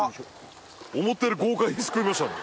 思ったより豪快にすくいましたね。